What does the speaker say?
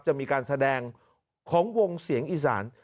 จะมีการแสดงของวงเสียงอีสาน